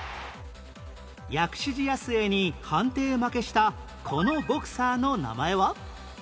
薬師寺保栄に判定負けしたこのボクサーの名前は？